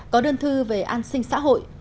có đơn thư về an sinh xã hội